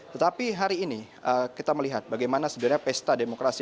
tetapi hari ini kita melihat bagaimana sebenarnya pesta demokrasi